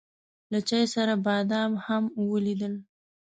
له چای سره بادام هم وليدل.